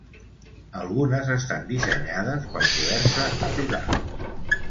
Algunes estan dissenyades per poder-se apilar.